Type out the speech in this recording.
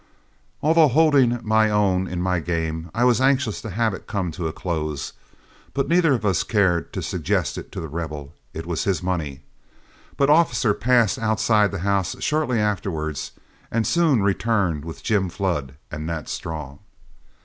Although holding my own in my game, I was anxious to have it come to a close, but neither of us cared to suggest it to The Rebel; it was his money. But Officer passed outside the house shortly afterward, and soon returned with Jim Flood and Nat Straw.